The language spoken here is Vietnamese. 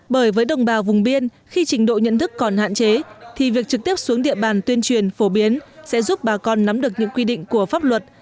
bởi với đồng bào vùng biên khi trình độ nhận thức còn hạn chế thì việc trực tiếp xuống địa bàn tuyên truyền phổ biến sẽ giúp bà con nắm được những quy định của pháp luật